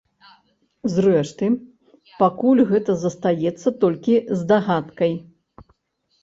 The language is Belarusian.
Зрэшты, пакуль гэта застаецца толькі здагадкай.